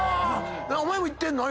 お前も行ってんの？